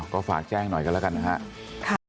ก็ฝากแจ้งหน่อยกันแล้วกันนะครับ